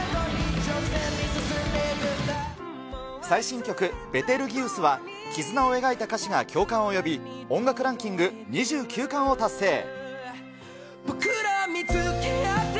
最新曲、ベテルギウスは絆を描いた歌詞が共感を呼び、音楽ランキング２９冠を達成。